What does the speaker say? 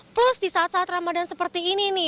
plus di saat saat ramadan seperti ini nih